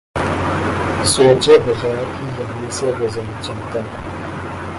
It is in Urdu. سوچے بغیر ہی یہاں سے گزر جاتا